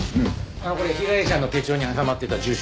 これ被害者の手帳に挟まってた住所。